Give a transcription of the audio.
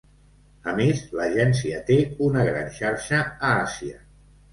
A més, l'agència té una gran xarxa a Àsia.